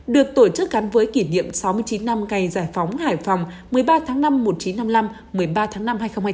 được tổ chức gắn với kỷ niệm sáu mươi chín năm ngày giải phóng hải phòng một mươi ba tháng năm một nghìn chín trăm năm mươi năm một mươi ba tháng năm hai nghìn hai mươi bốn